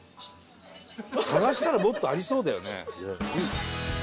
探したらもっとありそうだよね。